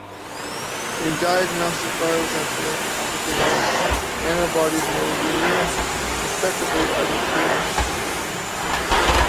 In diagnostic biosensor applications Nanobodies may be used prospectively as a tool.